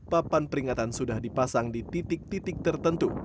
papan peringatan sudah dipasang di titik titik tertentu